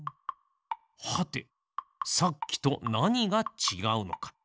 はてさっきとなにがちがうのか。